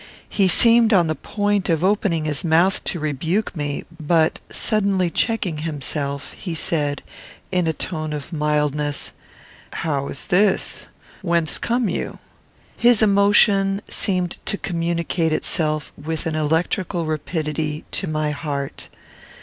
He seemed on the point of opening his mouth to rebuke me; but, suddenly checking himself, he said, in a tone of mildness, "How is this? Whence come you?" His emotion seemed to communicate itself, with an electrical rapidity, to my heart.